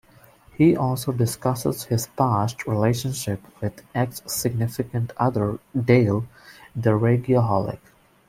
He also discusses his past relationship with ex-significant-other Dale, "the Rageaholic".